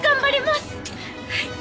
はい！